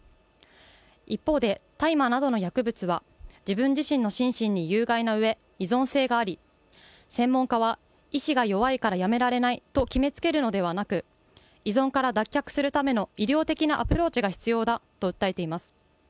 一方で、大麻などの薬物は、自分自身の心身に有害な上、依存性があり、専門家は、意志が弱いからやめられないと決めつけるのではなく、依存から脱却するための医療的なアプローチが必要だと訴えています。